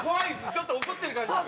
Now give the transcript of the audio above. ちょっと怒ってる感じだから。